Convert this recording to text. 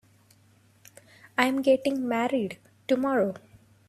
I'm getting married tomorrow.